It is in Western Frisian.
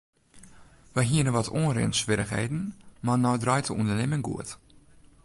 Wy hiene wat oanrinswierrichheden mar no draait de ûndernimming goed.